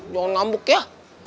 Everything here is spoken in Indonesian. jangan ngambuk ya